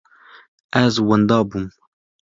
Ez wenda bûm.